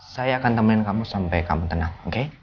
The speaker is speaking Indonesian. saya akan temenin kamu sampai kamu tenang